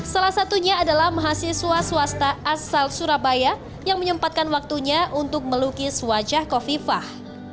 salah satunya adalah mahasiswa swasta asal surabaya yang menyempatkan waktunya untuk melukis wajah kofifah